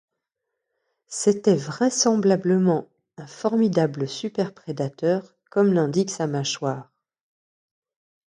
C'était vraisemblablement un formidable superprédateur, comme l'indique sa mâchoire.